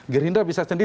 gerindra bisa sendiri